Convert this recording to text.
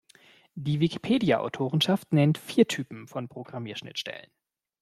Die Wikipedia-Autorenschaft nennt vier Typen von Programmierschnittstellen.